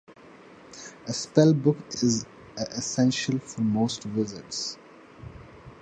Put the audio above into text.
A spellbook is a essential for most wizards.